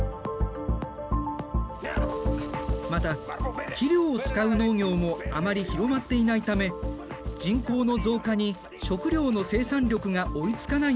また肥料を使う農業もあまり広まっていないため人口の増加に食料の生産力が追いつかないんだ。